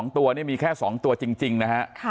๒ตัวนี่มีแค่๒ตัวจริงนะฮะ